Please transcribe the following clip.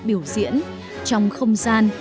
biểu diễn trong không gian